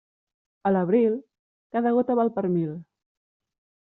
A l'abril, cada gota val per mil.